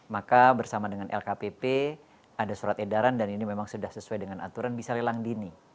maka bersama dengan lkpp ada surat edaran dan ini memang sudah sesuai dengan aturan bisa lelang dini